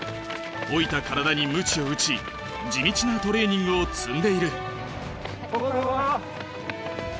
老いた体にむちを打ち地道なトレーニングを積んでいる。